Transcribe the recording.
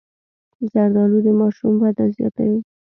زردالو د ماشوم وده زیاتوي.